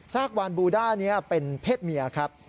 กวานบูด้านี้เป็นเพศเมียครับ